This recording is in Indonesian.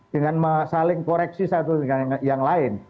dengan saling koreksi satu dengan yang lain